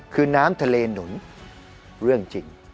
คือน้ำทะเลหนุนเรื่องจริง